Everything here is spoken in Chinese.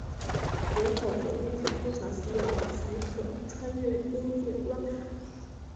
人口和物品通常需要许可穿越边界关卡。